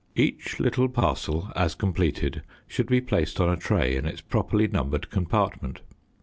Each little parcel, as completed, should be placed on a tray in its properly numbered compartment.